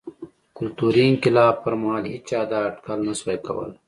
کلتوري انقلاب پر مهال هېچا دا اټکل نه شوای کولای.